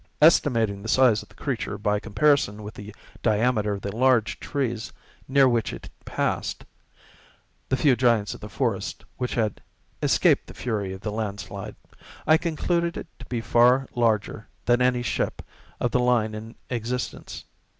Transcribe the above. Estimating the size of the creature by comparison with the diameter of the large trees near which it passed—the few giants of the forest which had escaped the fury of the land slide—I concluded it to be far larger than any ship of the line in existence.